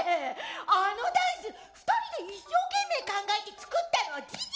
あのダンス２人で一生懸命考えて作ったのは事実じゃん！